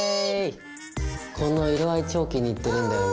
この色合い超気に入ってるんだよね。